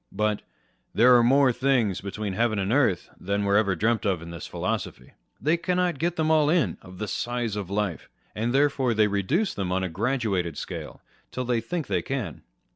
But " there are more things between heaven and earth than were ever dreamt of in this philosophy." They cannot get them all in, of the size of life, and therefore they reduce them on a graduated scale, till they think they can.